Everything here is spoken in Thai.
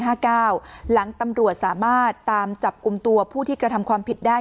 หลังตำรวจสามารถตามจับกลุ่มตัวผู้ที่กระทำความผิดได้